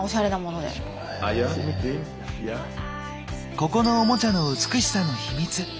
ここのオモチャの美しさの秘密。